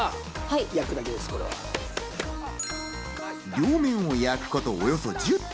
両面を焼くことおよそ１０分。